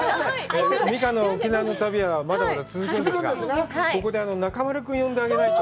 美佳の沖縄の旅はまだまだ続くんですが、ここで中丸君呼んであげないと。